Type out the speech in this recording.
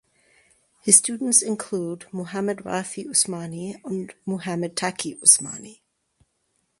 His students include Muhammad Rafi Usmani and Muhammad Taqi Usmani.